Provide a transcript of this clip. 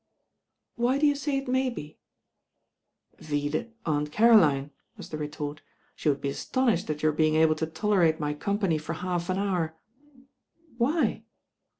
^' "Why do you say it may be ?" *'Vide Aunt Caroline," was the retort. "She would be astonished at your being able to tolerate my company for half an hour." "Why?"